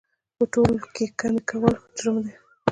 په تول کې کمي کول جرم دی